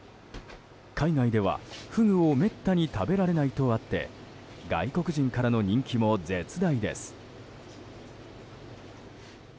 海外ではフグをめったに食べられないとあって外国人からの人気も絶大です。